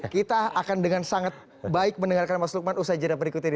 kita akan dengan sangat baik mendengarkan mas lukman usai jadwal berikut ini